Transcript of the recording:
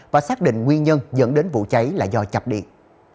và xác định nguyên nhân dẫn đến vụ cháy là do chập điện